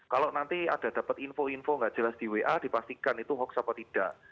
kalau nanti ada dapat info info nggak jelas di wa dipastikan itu hoax apa tidak